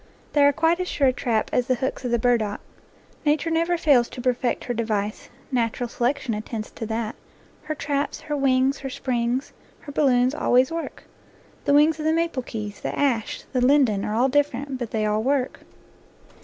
They are quite as sure a trap as the hooks of the burdock. Nature never fails to perfect her device. Natural selection attends to that. Her traps, her wings, her springs, her balloons, always work. The wings of the maple keys, the ash, and the linden are all different, but they all work.